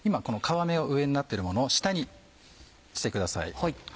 この皮目が上になってるものを下にしてください。